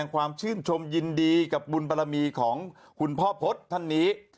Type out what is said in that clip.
ความชื่นชมยินดีกับบุญบารมีของคุณพ่อพจน์ท่านนี้